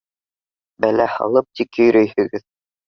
— Бәлә һалып тик йөрөйһөгөҙ.